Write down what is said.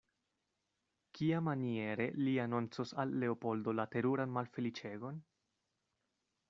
Kiamaniere li anoncos al Leopoldo la teruran malfeliĉegon?